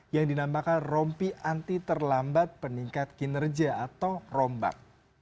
yang dinamakan rompi anti terlambat peningkat kinerja atau rombak